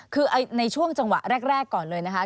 คือในช่วงจังหวะแรกก่อนเลยนะคะ